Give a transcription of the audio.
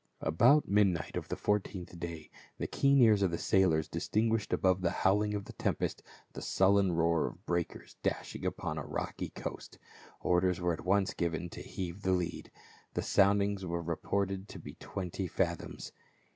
About midnight of the fourteenth day, the keen ears of the sailors distinguished above the howling of the tempest the sullen roar of breakers dashing upon a rocky coast. Orders were at once given to heave the lead ; the soundings were reported to be twenty fathoms.